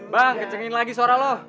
bang kecengin lagi suara lo